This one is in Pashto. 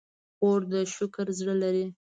خور د شکر زړه لري.